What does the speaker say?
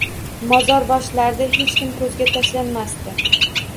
Mozor boshlarida hech kim ko'zga tashlanmasdi.